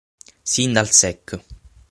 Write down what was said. Sin dal sec.